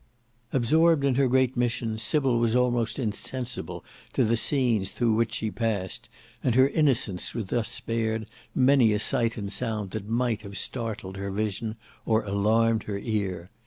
Absorbed in her great mission Sybil was almost insensible to the scenes through which she passed, and her innocence was thus spared many a sight and sound that might have startled her vision or alarmed her ear.